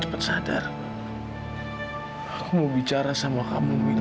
aku rindu memeluk dan menghibur kamu mil